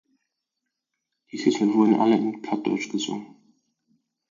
Die Titel wurden alle in Plattdeutsch gesungen.